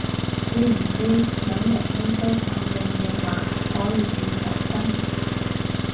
知唔知有人拎刀斬你嘅話可以點防身